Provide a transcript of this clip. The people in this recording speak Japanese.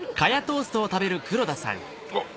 あっ。